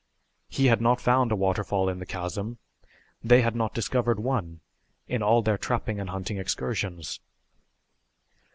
He had not found a waterfall in the chasm; they had not discovered one in all their trapping and hunting excursions.